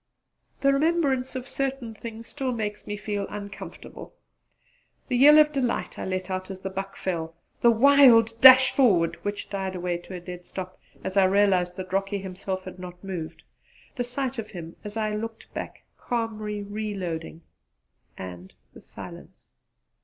The remembrance of certain things makes me feel uncomfortable; the yell of delight I let out as the buck fell; the wild dash forward, which died away to a dead stop as I realised that Rocky himself had not moved; the sight of him, as I looked back, calmly reloading; and the silence.